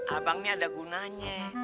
abang ini ada gunanya